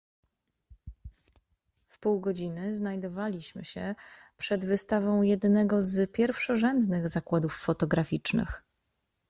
"W pół godziny znajdowaliśmy się przed wystawą jednego z pierwszorzędnych zakładów fotograficznych."